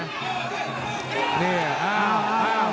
นี่อ้าวอ้าวอ้าว